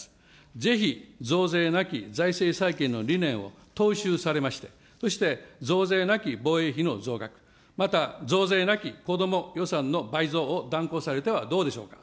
ぜひ増税なき財政再建の理念を踏襲されまして、そして、増税なき防衛費の増額、また増税なき、こども予算の倍増を断行されてはどうでしょうか。